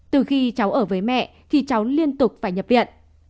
từ khi cháu ở với mẹ thì cháu liên tục phải nhập viện